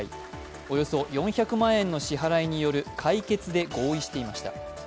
およそ４００万円の支払いによる解決で合意していました。